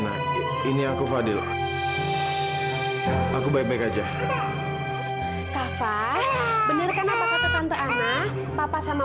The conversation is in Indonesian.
aja kan iya ini aku fadil aku baik baik aja kak fah bener kan apa kata tante anna papa sama